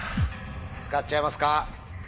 使っちゃいますか？